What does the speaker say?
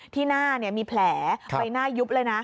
ที่หน้ามีแผลใบหน้ายุบเลยนะ